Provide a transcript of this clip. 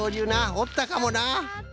おったかもな。